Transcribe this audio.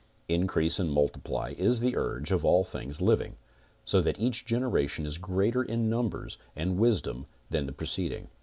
Increase and multiply is the urge of all things living, so that each generation is greater in numbers and wisdom than the preceding.